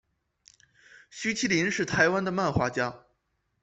徐麒麟是台湾的漫画家。